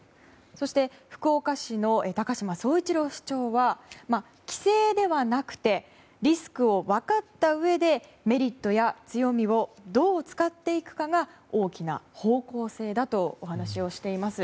そして福岡市の高島宗一郎市長は規制ではなくてリスクを分かったうえでメリットや強みをどう使っていくかが大きな方向性だとお話をしています。